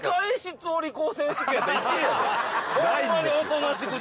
ホンマにおとなしくじっとして。